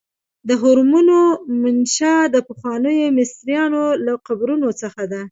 د هرمونو منشا د پخوانیو مصریانو له قبرونو څخه ده.